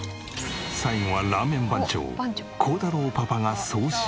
最後はラーメン番長耕太郎パパが総仕上げ！